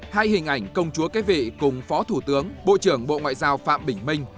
hai hình ảnh công chúa kế vị cùng phó thủ tướng bộ trưởng bộ ngoại giao phạm bình minh